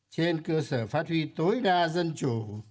trên cơ sở phát huy tối đa dân chủ